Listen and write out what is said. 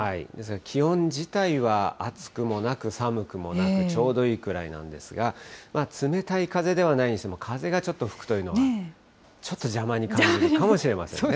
気温自体は暑くもなく、寒くもなくちょうどいいくらいなんですが、冷たい風ではないにしても風がちょっと吹くというのは、ちょっと邪魔に感じるかもしれませんね。